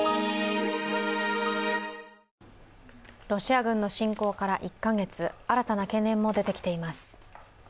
ロシア軍の侵攻から１カ月、新たな懸念も出てきています。